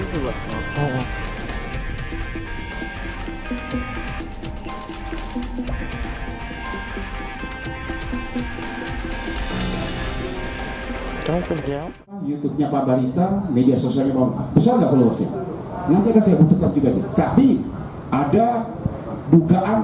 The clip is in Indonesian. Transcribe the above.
hai teman teman youtube nya pak berita media sosial memang besar besar juga tapi ada bukaan